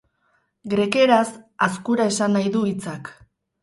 Grekeraz, azkura esan nahi du hitzak.